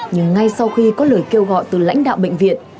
nhưng ngay sau khi có lời kêu gọi từ lãnh đạo bệnh viện